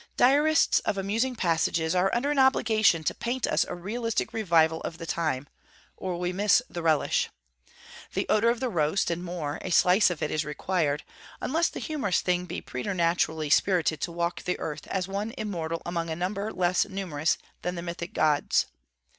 Diarists of amusing passages are under an obligation to paint us a realistic revival of the time, or we miss the relish. The odour of the roast, and more, a slice of it is required, unless the humorous thing be preternaturally spirited to walk the earth as one immortal among a number less numerous than the mythic Gods.